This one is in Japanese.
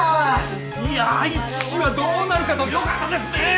いや一時はどうなるかと。よかったですね。